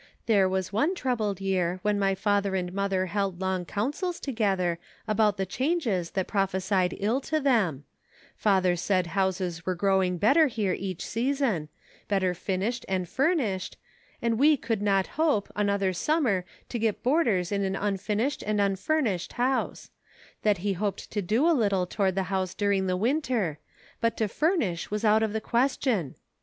There was one troubled year when my father and mother held long councils together about the changes that prophesied ill to them ; father said houses were growing better here each season, bet ter finished and furnished, and we could not hope, another summer, to get boarders in an unfinished and unfurnished house ; that he hoped to do a little toward the house during the winter, but to furnish was out of the question.